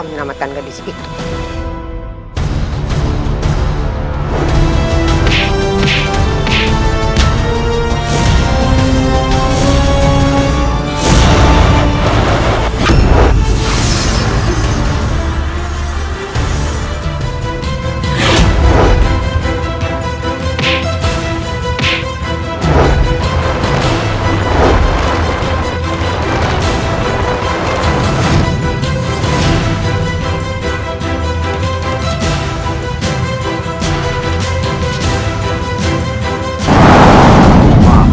menyelamatkan gadis itu